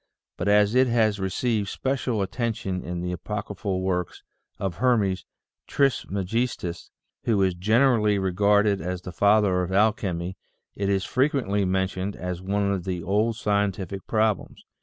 But as it has received special attention in the apocryphal works of Hermes Tris megistus, who is generally regarded as the Father of Al chemy, it is frequently mentioned as one of the old scientific problems.